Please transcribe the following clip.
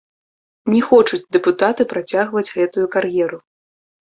Не хочуць дэпутаты працягваць гэтую кар'еру!